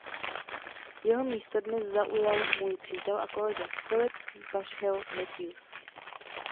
Jeho místo dnes zaujal můj přítel a kolega, Philip Bushill-Matthews.